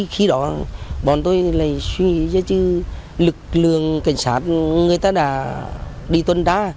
khi đó bọn tôi lại suy nghĩ cho chứ lực lượng cảnh sát người ta đã đi tuần tra